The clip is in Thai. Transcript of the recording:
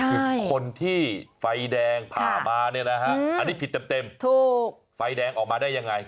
คือคนที่ไฟแดงผ่ามาเนี่ยนะฮะอันนี้ผิดเต็มถูกไฟแดงออกมาได้ยังไง